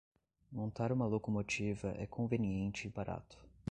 Montar uma locomotiva é conveniente e barato